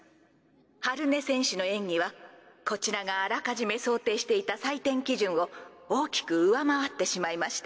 春音選手の演技はこちらがあらかじめ想定していた採点基準を大きく上回ってしまいました。